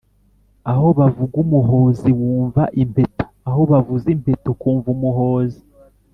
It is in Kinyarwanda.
aho bavuga umuhozi wumva impeta, aho bavuze impeta ukumva umuhozi